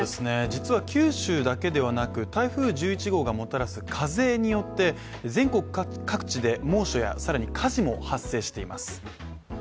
実は九州だけではなく、台風１１号がもたらす風によって全国各地で猛暑や、更に火事も発生しています。